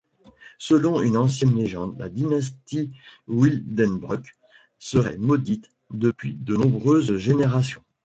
Selon une ancienne légende, la dynastie Wildenbrück serait maudite depuis de nombreuses générations.